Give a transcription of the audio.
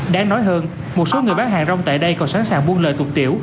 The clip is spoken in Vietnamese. đáng nói hơn một số người bán hàng rong tại đây còn sẵn sàng buôn lợi tục tiệm